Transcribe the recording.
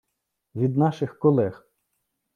від наших колег.